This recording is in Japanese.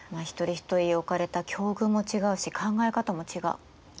一人一人置かれた境遇も違うし考え方も違う。